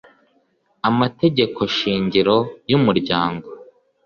amategekoshingiro y umuryango